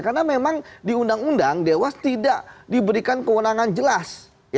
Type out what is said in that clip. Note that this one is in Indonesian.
karena memang diundang undang dewas tidak diberikan kewenangan jelas